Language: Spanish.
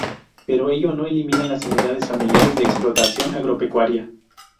Pero ello no elimina las unidades familiares de explotación agropecuaria.